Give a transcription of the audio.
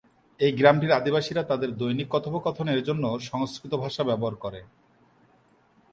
এই গ্রামটির অধিবাসীরা তাদের দৈনিক কথোপকথনের জন্য সংস্কৃত ভাষা ব্যবহার করে।